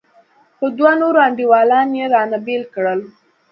خو دوه نور انډيوالان يې رانه بېل کړل.